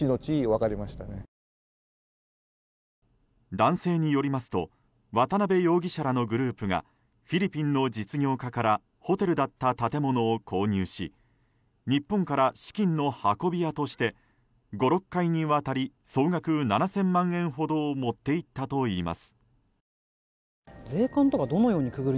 男性によりますと渡邉容疑者らのグループがフィリピンの実業家からホテルだった建物を購入し日本から資金の運び屋として５６回にわたり総額７０００万円ほどを持っていったといいます。